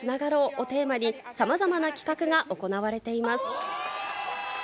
をテーマに、さまざまな企画が行われています。